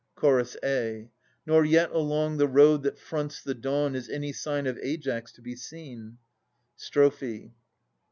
Ch. a. Nor yet along the road that fronts the dawn Is any sign of Aias to be seen. Strophe.